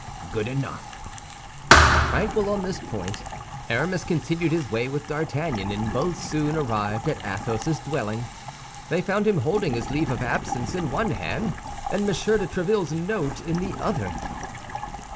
"Good enough!" Tranquil on this important point, Aramis continued his way with D'Artagnan, and both soon arrived at Athos's dwelling. They found him holding his leave of absence in one hand, and M. de Tréville's note in the other.